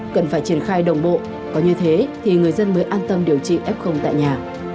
cần phải triển khai đồng bộ có như thế thì người dân mới an tâm điều trị f tại nhà